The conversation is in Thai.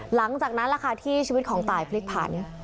หลังจากนั้นแหละค่ะที่ชีวิตของตายพลิกผัน